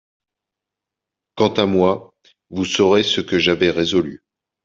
Quant à moi, vous saurez ce que j'avais résolu.